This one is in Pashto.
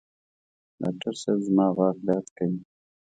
ډاکټر صېب زما غاښ درد کوي